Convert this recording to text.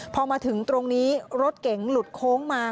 พอมาถึงตรงนี้รถเก๋งหลุดโค้งมา